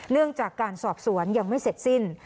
เรื่องจากการสอบสวนยังไม่เสร็จสิ้น